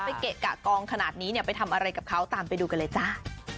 เกะกะกองขนาดนี้เนี่ยไปทำอะไรกับเขาตามไปดูกันเลยจ้า